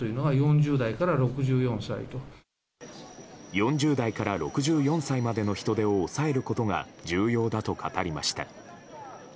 ４０代から６４歳までの人出を抑えることが重要だと語りました。